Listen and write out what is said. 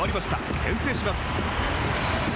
先制します。